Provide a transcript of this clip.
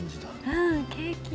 「うんケーキ」